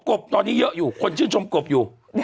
บตอนนี้เยอะอยู่คนชื่นชมกบอยู่